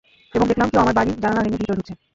এবং দেখলাম কেউ আমার বাড়ির জানালা ভেংগে ভেতরে ঢুকেছে।